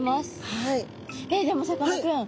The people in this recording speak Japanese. でもさかなクン。